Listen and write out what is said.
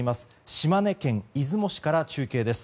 島根県出雲市から中継です。